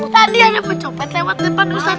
tadi anak pecopet lewat lewat ustadz